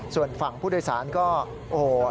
ส่วนฝั่งผู้โดยสารก็โอ้โห